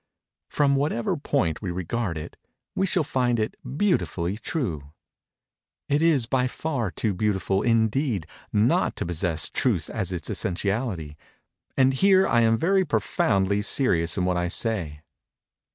From whatever point we regard it, we shall find it beautifully true. It is by far too beautiful, indeed, not to possess Truth as its essentiality—and here I am very profoundly serious in what I say.